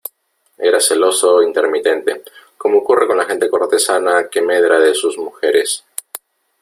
era celoso intermitente , como ocurre con la gente cortesana que medra de sus mujeres .